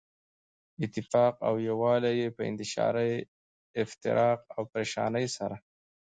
اتفاق او يو والی ئي په انتشار، افتراق او پريشانۍ سره